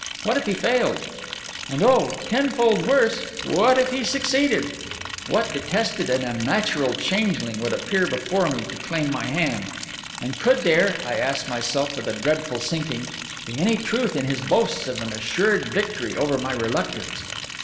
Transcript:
What if he failed? And oh, tenfold worse! what if he succeeded? What detested and unnatural changeling would appear before me to claim my hand? And could there, I asked myself with a dreadful sinking, be any truth in his boasts of an assured victory over my reluctance?